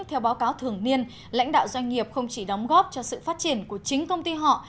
theo báo cáo thường niên lãnh đạo doanh nghiệp không chỉ đóng góp cho sự phát triển của chính công ty họ